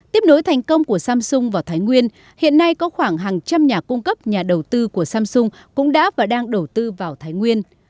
tiếp nối thành công của samsung vào thái nguyên hiện nay có khoảng hàng trăm nhà cung cấp nhà đầu tư của samsung cũng đã và đang đầu tư vào thái nguyên